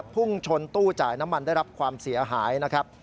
พุ่งชนตู้จ่ายน้ำมันได้รับความเสียหายนะครับ